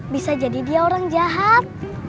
bisa jadi dia orang jahat